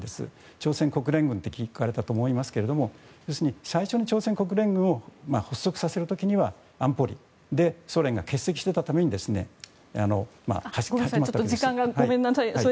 朝鮮国連軍って聞かれたと思いますけど要するに最初に朝鮮国連軍を発足させる時には安保理でソ連が欠席していたために。ごめんなさい、時間が。